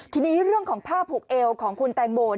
ทีนี้เรื่องของผ้าผูกเอวของคุณแตงโม